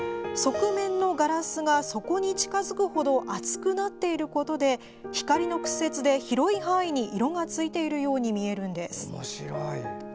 側面のガラスが底に近づくほど厚くなっていることで光の屈折で広い範囲に色がついているように見えるんです。